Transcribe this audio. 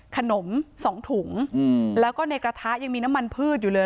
สองถุงแล้วก็ในกระทะยังมีน้ำมันพืชอยู่เลย